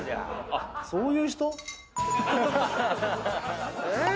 あっそういう人？え！